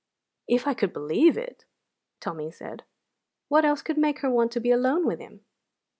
"If I could believe it!" Tommy said. "What else could make her want to be alone with him?"